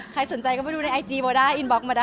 ใครสนใจก็ไปดูในไอจีโบได้อินบล็อกมาได้